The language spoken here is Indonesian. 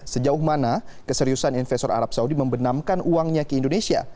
sejauh mana keseriusan investor arab saudi membenamkan uangnya ke indonesia